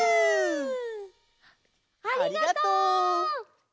ありがとう！